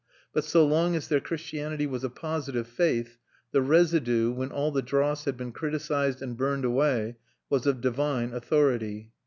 But so long as their Christianity was a positive faith, the residue, when all the dross had been criticised and burned away, was of divine authority.